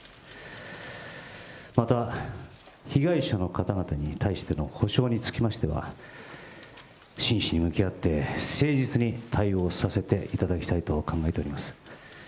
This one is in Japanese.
また被害者の方々に対しての補償につきましては、真摯に向き合って誠実に対応させていただきたいと考えております。